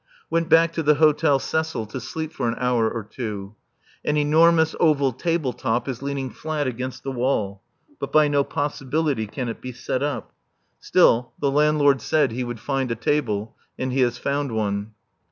Went back to the Hôtel Cecil to sleep for an hour or two. An enormous oval table top is leaning flat against the wall; but by no possibility can it be set up. Still, the landlord said he would find a table, and he has found one.